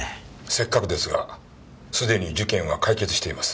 せっかくですがすでに事件は解決しています。